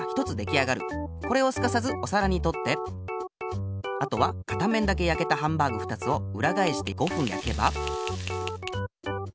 これをすかさずおさらにとってあとは片面だけやけたハンバーグ２つをうらがえして５ふんやけば。